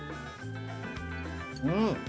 うん！